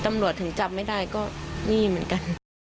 ตำรวจถึงจับไม่ได้ก็นี่เหมือนกัน